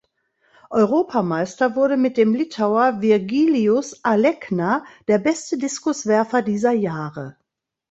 Europameister wurde mit dem Litauer Virgilijus Alekna der beste Diskuswerfer dieser Jahre.